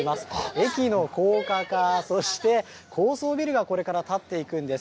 駅の高架化、そして高層ビルがこれから建っていくんです。